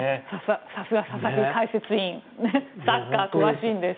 さすが佐々木解説委員サッカー詳しいんです。